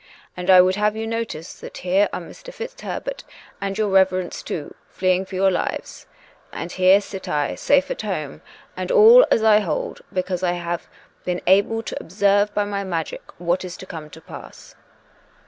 And I would have you notice that here are Mr. FitzHerbert and your Reverence, too, fleeing for your lives; and here sit I safe at home; and all, as I hold, because I have been able to observe by my magic what is to come to pass."